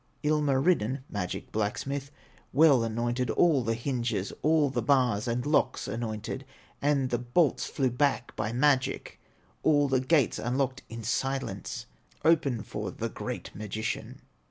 Ilmarinen, magic blacksmith, Well anointed all the hinges, All the bars and locks anointed, And the bolts flew back by magic, All the gates unlocked in silence, Opened for the great magician.